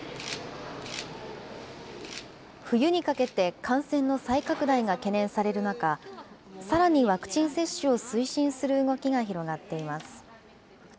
冬にかけて感染の再拡大が懸念される中、さらにワクチン接種を推進する動きが広がっています。